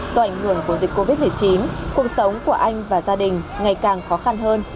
do ảnh hưởng của dịch covid một mươi chín cuộc sống của anh và gia đình ngày càng khó khăn hơn